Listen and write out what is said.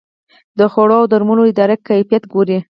د خوړو او درملو اداره کیفیت ګوري